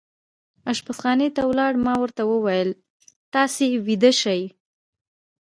اشپزخانې ته ولاړ، ما ورته وویل: تاسې ویده شئ.